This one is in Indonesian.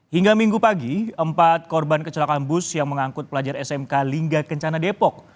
hingga minggu pagi empat korban kecelakaan bus yang mengangkut pelajar smk lingga kencana depok